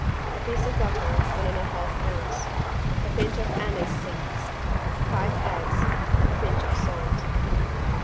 A piece of butter, one and a half ounce. A pinch of anise seeds. Five eggs. A pinch of salt.